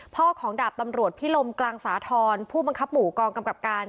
ของดาบตำรวจพิลมกลางสาธรณ์ผู้บังคับหมู่กองกำกับการ